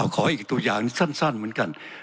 ขออีกตัวอย่างสั้นเหมือนกัน